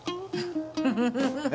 フフフフ。